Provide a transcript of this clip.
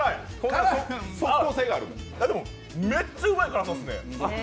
でも、めっちゃうまい辛さっすね。